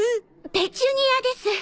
ペチュニアです。